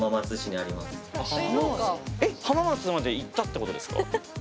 えっ浜松まで行ったってことですか？